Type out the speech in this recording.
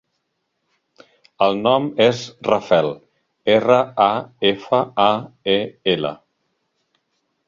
El nom és Rafael: erra, a, efa, a, e, ela.